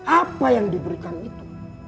apa yang diberikan itu